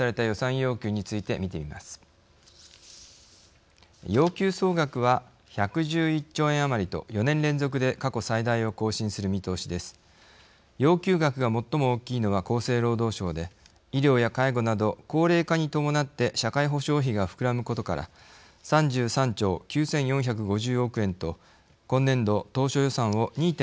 要求額が最も大きいのは厚生労働省で医療や介護など高齢化に伴って社会保障費が膨らむことから３３兆９，４５０億円と今年度当初予算を２．４％上回りました。